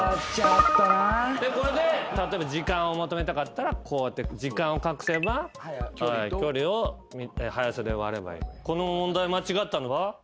でこれで例えば時間を求めたかったらこうやって時間を隠せば距離を速さで割ればいい。